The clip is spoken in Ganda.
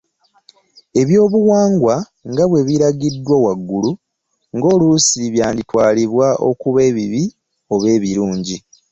Ebyobuwangwa nga bwe biragiddwa waggulu, ng’oluusi byanditwalibwa okuba ebibi oba ebirungi.